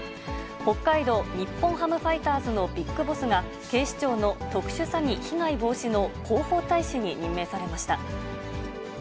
北海道日本ハムファイターズのＢＩＧＢＯＳＳが、警視庁の特殊詐欺被害防止の広報大使に任命されました。